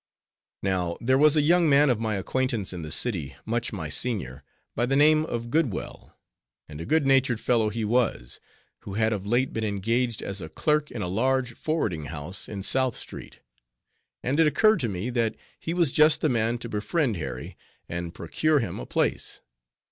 Now, there was a young man of my acquaintance in the city, much my senior, by the name of Goodwell; and a good natured fellow he was; who had of late been engaged as a clerk in a large forwarding house in South street; and it occurred to me, that he was just the man to befriend Harry, and procure him a place.